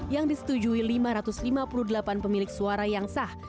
yang disetujui lima ratus lima puluh delapan pemilik suara yang sah